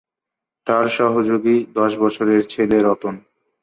তার সহযোগী দশ বছরের ছেলে রতন।